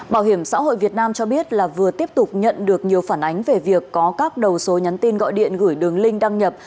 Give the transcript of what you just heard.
bảo hiểm xã hội việt nam cho biết là vừa tiếp tục nhận được nhiều phản ánh về việc có các đầu số nhắn tin gọi điện gửi đường link đăng nhập